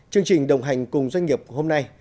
chương trình đồng hành cùng doanh nghiệp hôm nay